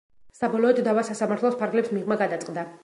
საბოლოოდ, დავა სასამართლოს ფარგლებს მიღმა გადაწყდა.